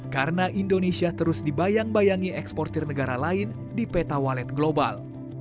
karena indonesia terus dibayang bayangi eksportir negara lain di peta wallet global